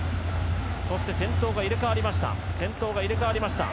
そして先頭が入れ替わりました。